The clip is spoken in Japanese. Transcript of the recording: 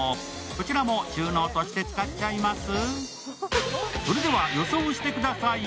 こちらも収納として使っちゃいます。